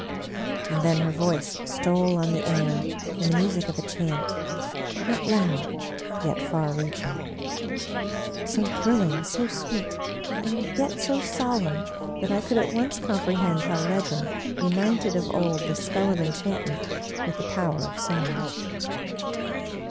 And then her voice stole on the air in the music of a chant, not loud yet far reaching; so thrilling, so sweet and yet so solemn that I could at once comprehend how legend united of old the spell of enchantment with the power of song.